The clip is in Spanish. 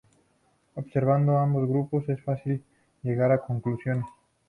Observando ambos grupos es fácil llegar a conclusiones